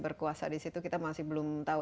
berkuasa di situ kita masih belum tahu